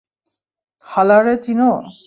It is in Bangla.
হ্লা রে চিনো?